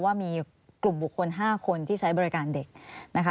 ว่ามีกลุ่มปุทธิ์๕คนที่ใช้บริการเด็ก